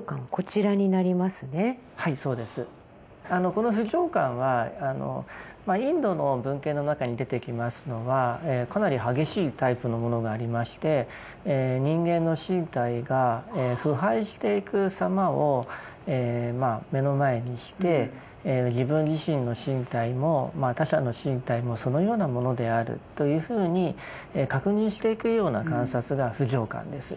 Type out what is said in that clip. この不浄観はインドの文献の中に出てきますのはかなり激しいタイプのものがありまして人間の身体が腐敗していくさまを目の前にして自分自身の身体も他者の身体もそのようなものであるというふうに確認していくような観察が不浄観です。